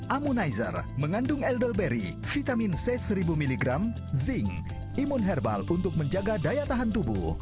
ammonizer mengandung eldoberry vitamin c seribu mg zinc imun herbal untuk menjaga daya tahan tubuh